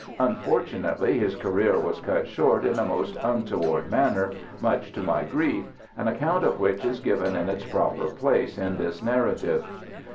Unfortunately, his career was cut short in a most untoward manner, much to my grief, an account of which is given in its proper place in this narrative.